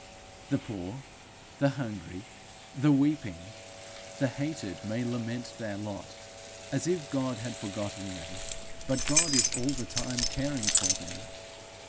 The poor, the hungry, the weeping, the hated, may lament their lot as if God had forgotten them; but God is all the time caring for them.